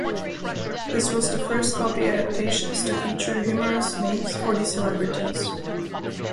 This was the first of the adaptations to feature humorous names for the celebrities.